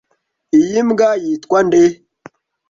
Iyi mbwa yitwa nde?